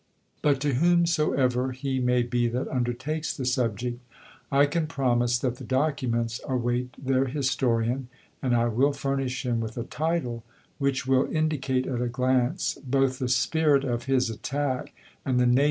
But to whomsoever he may be that undertakes the subject I can promise that the documents await their historian, and I will furnish him with a title which will indicate at a glance both the spirit of his attack and the nature of his treatise.